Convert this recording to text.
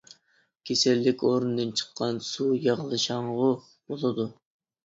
كېسەللىك ئورنىدىن چىققان سۇ ياغلىشاڭغۇ بولىدۇ.